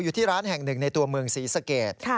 อยู่ที่ร้านแห่งหนึ่งในตัวเมืองศรีสเกต